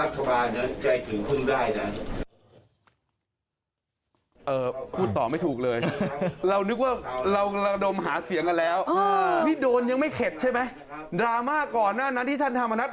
ถึงพึ่งได้นะ